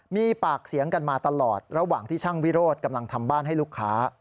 มีปากเสียงกันมาตลอดระหว่างที่ช่างวิโรธกำลังทำบ้านให้ลูกค้า